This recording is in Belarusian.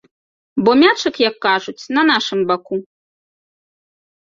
Бо мячык, як кажуць, на нашым баку.